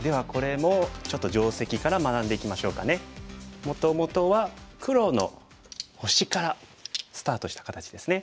もともとは黒の星からスタートした形ですね。